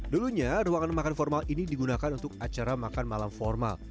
dulunya ruangan makan formal ini digunakan untuk acara makan malam formal